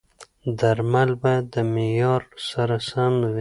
درمل باید د معیار سره سم وي.